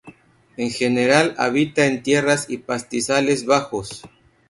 En general habita en tierras y pastizales bajos.